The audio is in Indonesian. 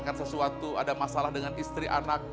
ada sesuatu ada masalah dengan istri anak